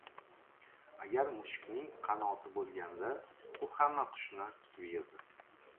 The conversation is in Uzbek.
• Agar mushukning qanoti bo‘lganda, u hamma qushni tutib yerdi.